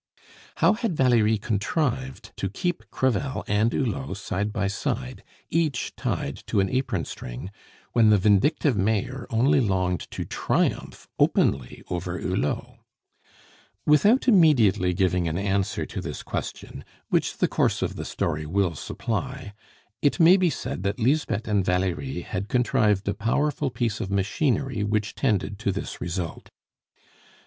How had Valerie contrived to keep Crevel and Hulot side by side, each tied to an apron string, when the vindictive Mayor only longed to triumph openly over Hulot? Without immediately giving an answer to this question, which the course of the story will supply, it may be said that Lisbeth and Valerie had contrived a powerful piece of machinery which tended to this result.